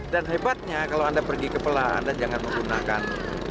dan hebatnya kalau anda pergi ke pela anda jangan menggunakan